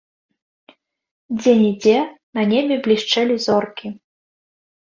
Дзе-нідзе на небе блішчэлі зоркі.